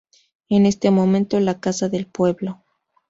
En este momento, la casa del pueblo.